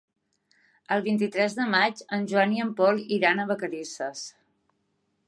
El vint-i-tres de maig en Joan i en Pol iran a Vacarisses.